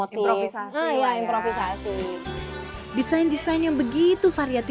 setiap hari harus ada model baru